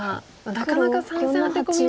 なかなか３線アテコミは。